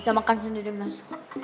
bisa makan sendiri mas